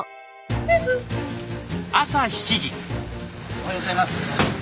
おはようございます。